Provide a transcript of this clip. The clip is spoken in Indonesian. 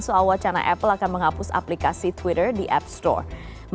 soal wacana apple akan menghapus aplikasi twitter di app store